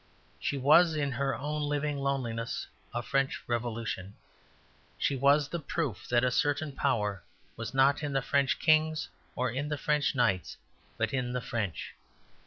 She was, in her own living loneliness, a French Revolution. She was the proof that a certain power was not in the French kings or in the French knights, but in the French.